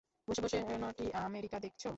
বসে বসে নটি-আমেরিকা দেখছে।